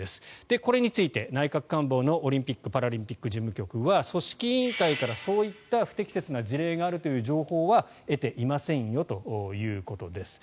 これについて内閣官房のオリンピック・パラリンピック事務局は組織委員会からそういった不適切な事例があるという情報は得ていませんよということです。